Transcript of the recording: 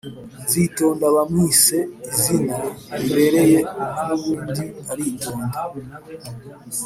Nzitonda bamwise izina rimubereye nubundi aritonda